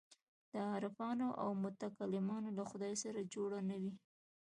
د عارفانو او متکلمانو له خدای سره جوړ نه وو.